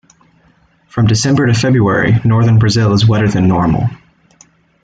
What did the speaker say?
From December to February, northern Brazil is wetter than normal.